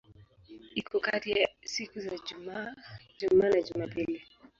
Iko kati ya siku za Ijumaa na Jumapili.